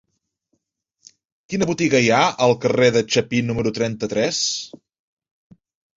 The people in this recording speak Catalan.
Quina botiga hi ha al carrer de Chapí número trenta-tres?